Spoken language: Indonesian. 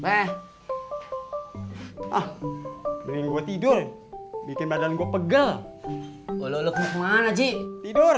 ah mending gua tidur bikin badan gua pegel olok olok mana ji tidur